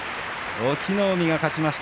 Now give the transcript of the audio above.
隠岐の海が勝ちました。